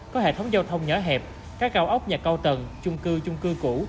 có hệ thống giao thông nhỏ hẹp các cao ốc nhà cao tầng trung cư trung cư cũ